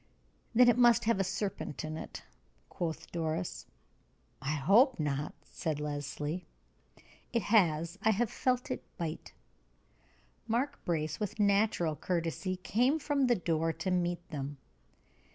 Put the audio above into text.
"Then it must have a serpent in it," quoth Doris. "I hope not," said Leslie. "It has. I have felt it bite!" Mark Brace, with natural courtesy, came from the door to meet them.